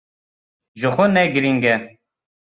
Jixwe ne girîng e.